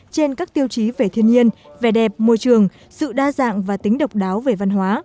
trên các tiêu chí về thiên nhiên vẻ đẹp môi trường sự đa dạng và tính độc đáo về văn hóa